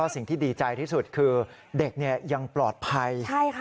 สิ่งที่ดีใจที่สุดคือเด็กยังปลอดภัย